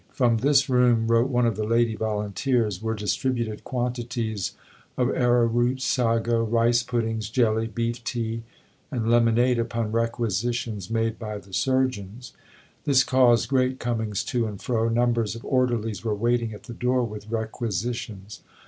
"From this room," wrote one of the lady volunteers, "were distributed quantities of arrowroot, sago, rice puddings, jelly, beef tea, and lemonade upon requisitions made by the surgeons. This caused great comings to and fro; numbers of orderlies were waiting at the door with requisitions.